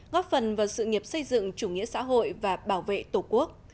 góp phần vào sự nghiệp xây dựng chủ nghĩa xã hội và bảo vệ tổ quốc